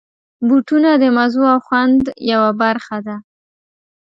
بوټونه د مزو او خوند یوه برخه ده.